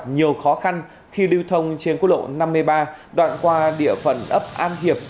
nhiều khó khăn khi lưu thông trên quốc lộ năm mươi ba đoạn qua địa phận ấp an hiệp